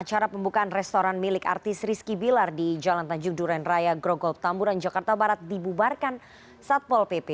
acara pembukaan restoran milik artis rizky bilar di jalan tanjung duren raya grogol petamburan jakarta barat dibubarkan satpol pp